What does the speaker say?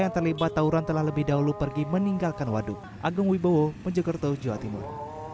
yang terlibat tawuran telah lebih dahulu pergi meninggalkan waduk agung wibowo mojokerto jawa timur